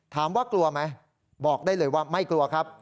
กลัวไหมบอกได้เลยว่าไม่กลัวครับ